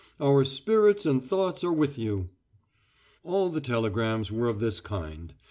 Our spirits and thoughts are with you." All the telegrams were of this kind.